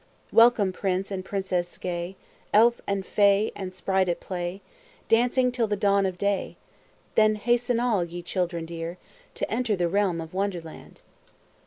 Welcome prince and princess gay, Elf and fay and sprite at play, Dancing till the dawn of day. Then hasten all, ye children dear! To enter the Realm of Wonderland!